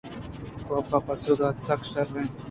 کاف ءَ پسو دات ! سک شرّیں